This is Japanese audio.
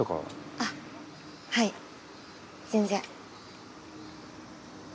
あっはい全然。